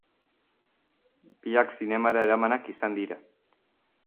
Biak zinemara eramanak izan dira.